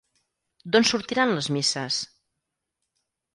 D'on sortiran les misses?